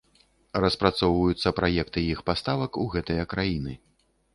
Распрацоўваюцца праекты іх паставак у гэтыя краіны.